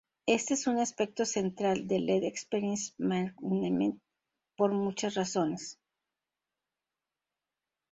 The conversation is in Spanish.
Este es un aspecto central en Lead Experience Management por muchas razones.